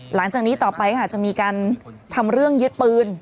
หลังจากนี้ต่อไปค่ะจะมีการทำเรื่องยึดปืน